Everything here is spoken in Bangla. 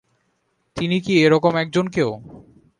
তিনি কি এ রকম একজন কেউ?